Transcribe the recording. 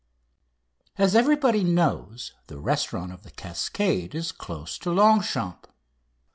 As everybody knows, the restaurant of "The Cascade" is close to Longchamps.